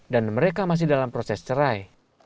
dan mereka masih dalam proses cerai